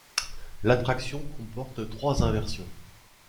L'attraction comporte trois inversions.